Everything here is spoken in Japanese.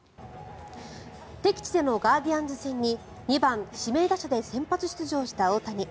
敵地でのガーディアンズ戦に２番指名打者で先発出場した大谷。